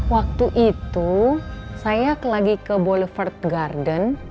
waktu itu saya lagi ke boulevard garden